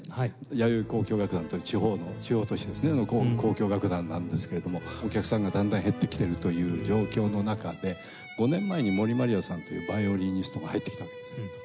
弥生交響楽団という地方の地方都市ですねの交響楽団なんですけれどもお客さんがだんだん減ってきているという状況の中で５年前に森マリアさんというヴァイオリニストが入ってきたんです。